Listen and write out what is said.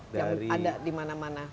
yang ada di mana mana